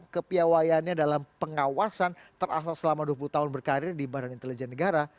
kepiawayannya dalam pengawasan terasa selama dua puluh tahun berkarir di badan intelijen negara